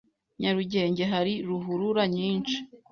Nyarugenge hari ruhurura nyinshi